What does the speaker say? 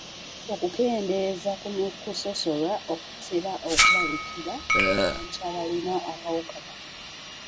Okukendeeza ku kusosolwa okutera okulabikira ku bantu abalina akawuka kano.